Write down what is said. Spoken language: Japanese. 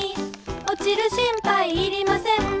「おちる心配いりません」